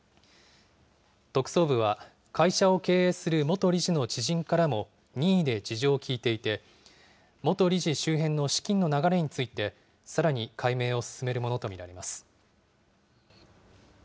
特捜部は、会社を経営する元理事の知人からも任意で事情を聴いていて、元理事周辺の資金の流れについてさらに解明を進めるものと見られます。